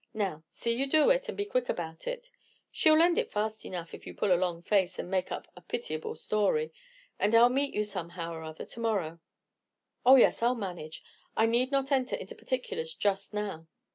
Now, see you do it, and be quick about it. She'll lend it fast enough if you pull a long face, and make up a pitiable story, and I'll meet you somehow or other to morrow. Oh, yes, I'll manage; I need not enter into particulars just now.